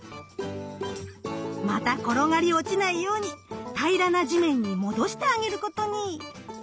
また転がり落ちないように平らな地面に戻してあげることに。